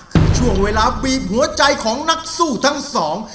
คือช่วงเวลาบีบหัวใจของนักสู้ทั้งสอง